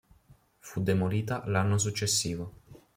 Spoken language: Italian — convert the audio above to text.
Fu demolita l'anno successivo.